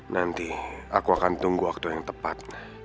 nanti aku akan tunggu waktu yang tepat